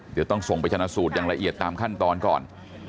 เดี๋ยวต้องส่งไปชนะสูตรอย่างละเอียดตามขั้นตอนก่อน